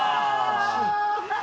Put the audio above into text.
ハハハ！